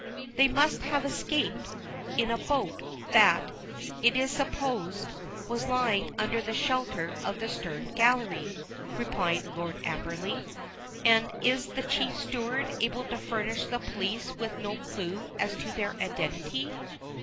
"They must have escaped in a boat that, it is supposed, was lying under the shelter of the stern gallery," replied Lord Amberley. "And is the chief steward able to furnish the police with no clue as to their identity?"